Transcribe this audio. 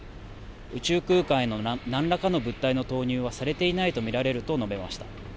宇宙空間へのなんらかの物体の投入はされていないと見られると述べました。